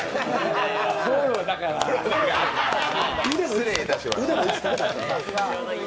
失礼いたしました。